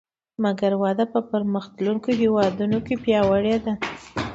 مګر وده په پرمختلونکو هېوادونو کې پیاوړې ده